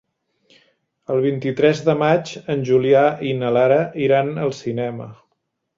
El vint-i-tres de maig en Julià i na Lara iran al cinema.